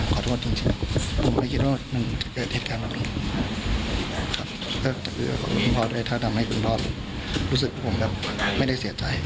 ก็จะแสดงการให้เข้าไปได้